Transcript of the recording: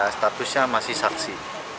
statusnya masih saksi